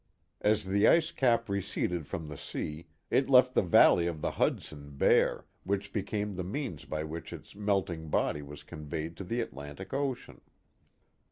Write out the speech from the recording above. As the ice cap receded from the sea, it left the valley of the Hudson bare, which became the means by which its melting body was conveyed to the Atlantic Ocean.